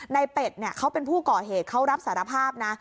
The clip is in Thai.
เป็ดเขาเป็นผู้ก่อเหตุเขารับสารภาพนะ